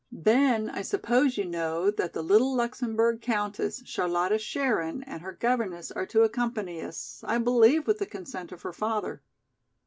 Then I suppose you know that the little Luxemburg Countess Charlotta Scherin and her governess are to accompany us, I believe with the consent of her father."